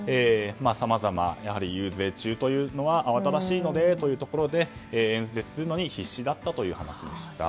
さまざま、やはり遊説中というのはあわただしいのでというところで演説するのに必死だったという話でした。